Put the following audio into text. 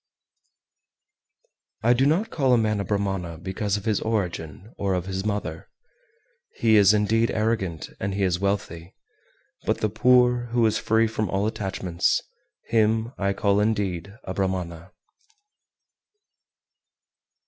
396. I do not call a man a Brahmana because of his origin or of his mother. He is indeed arrogant, and he is wealthy: but the poor, who is free from all attachments, him I call indeed a Brahmana.